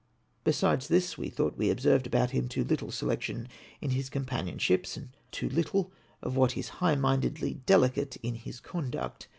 Besides this, we thought we observed about him too little selection in his companionships, and too little of what is high mindedly delicate in his conduct.